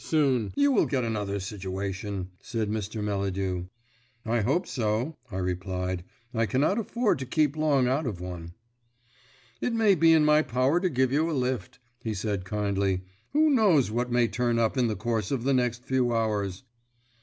"You will soon get another situation," said Mr. Melladew. "I hope so," I replied; "I cannot afford to keep long out of one." "It may be in my power to give you a lift," he said kindly. "Who knows what may turn up in the course of the next few hours?"